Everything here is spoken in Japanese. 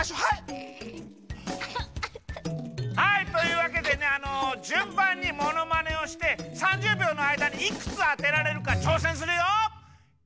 はいというわけでねあのじゅんばんにものまねをして３０びょうのあいだにいくつあてられるかちょうせんするよ！